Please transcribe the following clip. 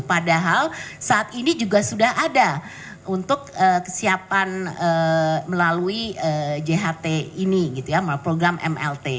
padahal saat ini juga sudah ada untuk kesiapan melalui jht ini gitu ya program mlt